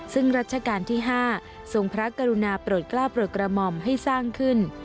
ซึ่งรัชกาลที่๕ทรงพระกรุณาโปรดกล้าโปรดกระหม่อมให้สร้างขึ้น